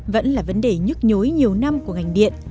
vẫn là vấn đề nhức nhối nhiều năm của ngành điện